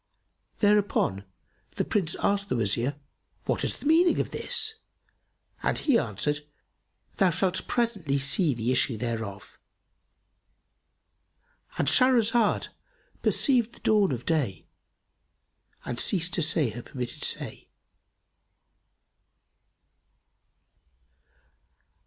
Thereupon the Prince asked the Wazir, "What is the meaning of all this?" and he answered, "Thou shalt presently see the issue thereof."——And Shahrazad perceived the dawn of day and ceased to say her permitted say.